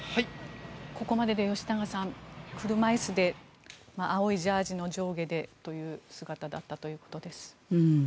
ここまでで吉永さん車椅子で青いジャージーの上下でという姿だったということです。